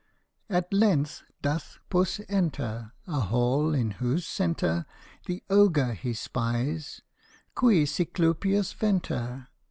At length doth Puss enter A hall in whose centre The Ogre he spies, cui Cyclopius venter.